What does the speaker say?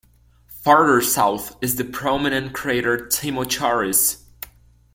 Farther south is the prominent crater Timocharis.